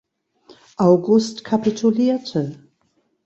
August kapitulierte.